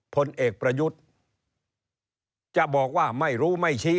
ผลเอกประยุทธ์จะบอกว่าไม่รู้ไม่ชี้